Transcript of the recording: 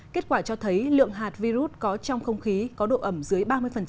kết quả cho thấy lượng hạt virus có trong không khí có độ ẩm dưới ba mươi